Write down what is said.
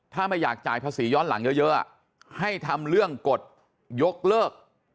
ถ้าไม่อยากจ่ายภาษีย้อนหลังเยอะให้ทำเรื่องกฎยกเลิก